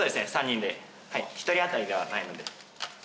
１人当たりではないので。